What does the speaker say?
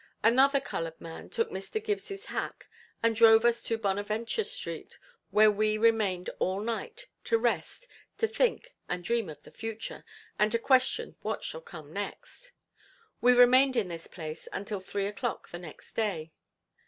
Another colored man took Mr. Gibbs' hack, and drove us to Bonaventure Street where we remained all night, to rest, to think and dream of the future, and to question what shall come next. We remained in this place until three o'clock the next day.